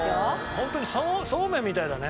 ホントにそうめんみたいだね。